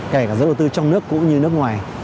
kể cả giới đầu tư trong nước cũng như nước ngoài